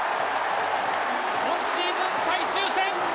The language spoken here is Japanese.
今シーズン最終戦。